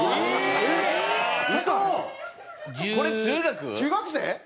これ中学？中学生？